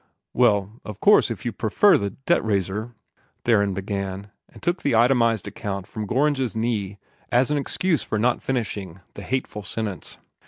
"Well of course if you prefer the 'debt raiser' " Theron began, and took the itemized account from Gorringe's knee as an excuse for not finishing the hateful sentence.